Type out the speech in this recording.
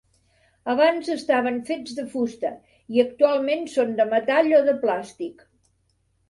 Abans estaven fets de fusta i actualment són de metall o de plàstic.